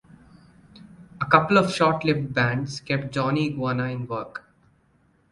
A couple of short lived bands kept Johnny Iguana in work.